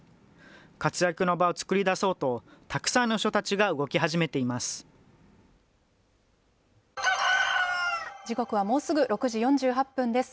活躍の場を作りだそうと、たくさんの人たちが動き始めています。